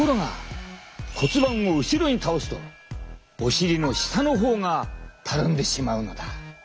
骨盤を後ろに倒すとお尻の下の方がたるんでしまうのだ。